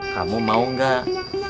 kamu mau gak